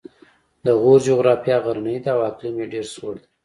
د غور جغرافیه غرنۍ ده او اقلیم یې ډېر سوړ دی